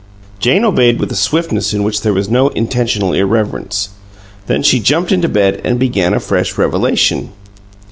Jane obeyed with a swiftness in which there was no intentional irreverence. Then she jumped into bed and began a fresh revelation.